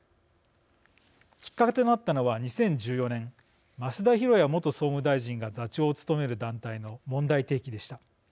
きっかけとなったのは２０１４年増田寛也元総務大臣が座長を務める団体の問題提起でした。